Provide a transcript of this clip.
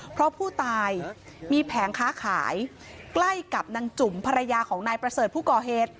เพราะผู้ตายมีแผงค้าขายใกล้กับนางจุ่มภรรยาของนายประเสริฐผู้ก่อเหตุ